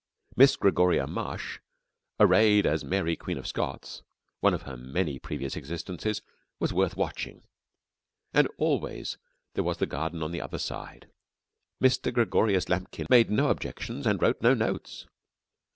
Miss Gregoria Mush arrayed as Mary, Queen of Scots (one of her many previous existences) was worth watching. And always there was the garden on the other side. Mr. Gregorius Lambkin made no objections and wrote no notes.